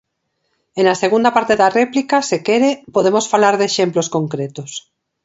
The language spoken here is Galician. E na segunda parte da réplica, se quere, podemos falar de exemplos concretos.